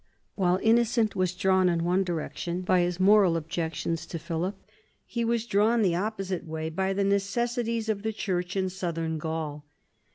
While Innocent was drawn in one direction by his moral objections to Philip, he was drawn the opposite way by the necessities of the church in Southern Gaul.